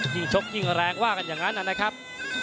ชกยิ่งแรงว่ากันอย่างนั้นนะครับ